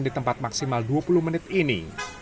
di tempat maksimal dua puluh menit ini